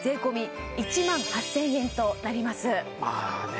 まあね